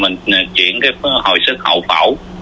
mình chuyển hồi sức hậu phẫu